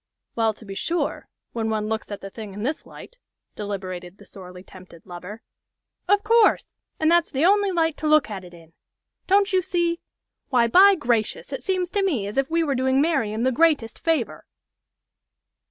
"Well, to be sure when one looks at the thing in this light," deliberated the sorely tempted lover. "Of course! And that's the only light to look at it in! Don't you see? Why, by gracious! it seems to me as if we were doing Marian the greatest favor."